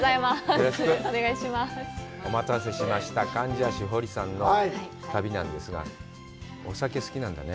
よろしく。お待たせしました、貫地谷しほりさんの旅なんですが、お酒、好きなんだね？